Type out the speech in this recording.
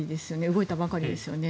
動いたばかりですよね。